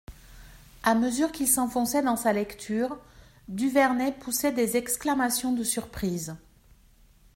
A mesure qu'il s'enfonçait dans sa lecture, Duvernet poussait des exclamations de surprise.